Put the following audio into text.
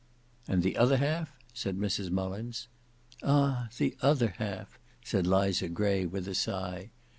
"And the other half?" said Mrs Mullins. "Ah! the other half," said Liza Gray, with a sigh.